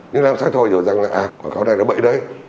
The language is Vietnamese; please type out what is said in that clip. nhưng làm sai thôi rồi rằng là quảng cáo này nó bậy đấy